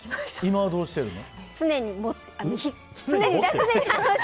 今はどうしてるの？